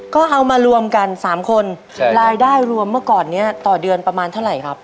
ก็เอามารวมกัน๓คนรายได้รวมเมื่อก่อนนี้ต่อเดือนประมาณเท่าไหร่ครับ